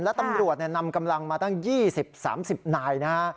และตำรวจนำกำลังมาตั้ง๒๐๓๐นายนะฮะ